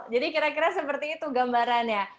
jadi kira kira seperti itu gambarannya